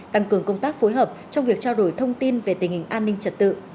tăng cường công tác phối hợp trong việc trao đổi thông tin về tình hình an ninh trật tự